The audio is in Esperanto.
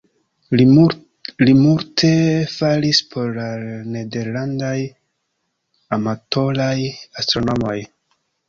Li multe faris por la nederlandaj amatoraj astronomoj.